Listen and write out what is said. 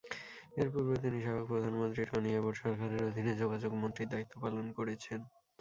এরপূর্বে তিনি সাবেক প্রধানমন্ত্রী টনি অ্যাবট সরকারের অধীনে যোগাযোগ মন্ত্রীর দায়িত্ব পালন করেছেন।